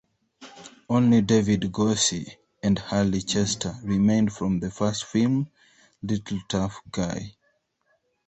Only David Gorcey and Hally Chester remained from the first film, "Little Tough Guy".